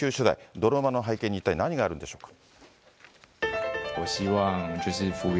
泥沼の背景に一体何があるのでしょうか。